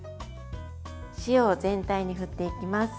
塩を全体に振っていきます。